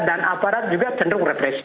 dan aparat juga cenderung represif